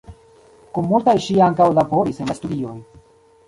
Kun multaj ŝi ankaŭ laboris en la studioj.